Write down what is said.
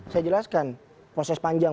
saya jelaskan proses panjang